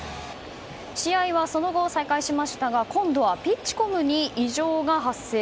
試合はその後、再開しましたが今度はピッチコムに異常が発生。